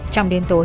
trong đêm tối